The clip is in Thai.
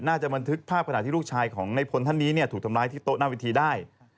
บันทึกภาพขณะที่ลูกชายของในพลท่านนี้ถูกทำร้ายที่โต๊ะหน้าวิธีได้